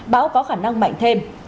bão có khả năng mạnh thêm